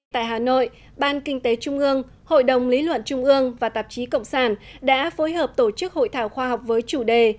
tại hà nội ban kinh tế trung ương hội đồng lý luận trung ương và tạp chí cộng sản đã phối hợp tổ chức hội thảo khoa học với chủ đề